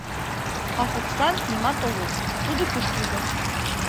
А Фукслан нимат огыл, тудо куштылго.